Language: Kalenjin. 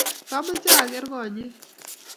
kamoche aker konyek .